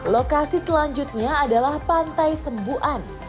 lokasi selanjutnya adalah pantai sembuan